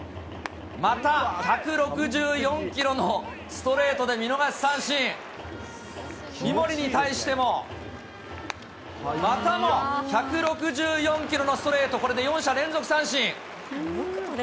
また１６４キロのストレートで見逃し三振。に対して、またも１６４キロのストレート、これで４者連続三振。